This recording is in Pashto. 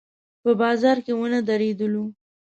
په بازار کې ونه درېدلو.